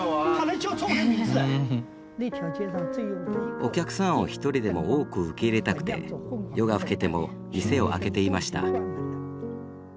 お客さんを一人でも多く受け入れたくて夜が更けても店を開けていました。